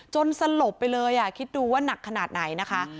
สลบไปเลยคิดดูว่าหนักขนาดไหนนะคะ